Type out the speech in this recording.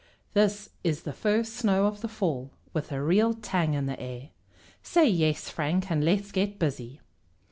This is the first snow of the fall, with a real tang in the air. Say yes, Frank, and let's get busy!"